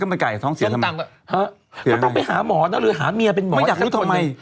ก็ต้องไปหาหมอหรือหาเมียเป็นหมอ